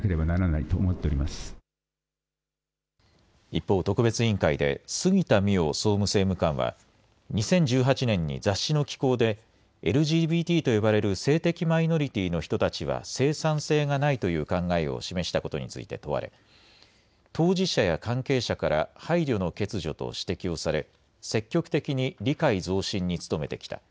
一方、特別委員会で杉田水脈総務政務官は２０１８年に雑誌の寄稿でＬＧＢＴと呼ばれる性的マイノリティーの人たちは生産性がないという考えを示したことについて問われ当事者や関係者から配慮の欠如と指摘をされ積極的に理解増進に努めてきた。